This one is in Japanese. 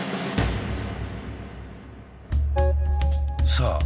さあ